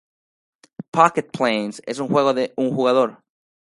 Pocket planes es un juego de un jugador.